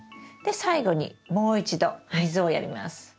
で最後にもう一度水をやります。